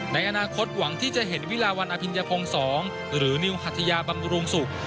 ในอนาคตหวังที่จะเห็นวิลาวันอภิญพงศ์๒หรือนิวหัทยาบำรุงศุกร์